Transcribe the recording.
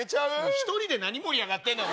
１人で何盛り上がってんねん！